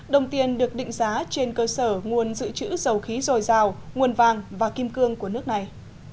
đồng tiền được định giá trên cơ sở nguồn dự trữ dầu khí dồi dào nguồn vàng và kim cương của nước này